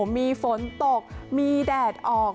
มีฝนตกมีแดดออก